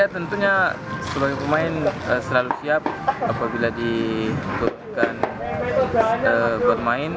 tentunya seluruh pemain selalu siap apabila ditutupkan buat main